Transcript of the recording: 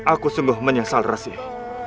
aku sungguh menyesal rasih